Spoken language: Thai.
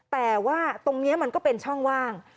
แต่ว่าตรงนี้มันก็เป็นช่องว่าง